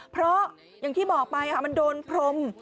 เพราะอย่างที่บอกไปมันโดนพรม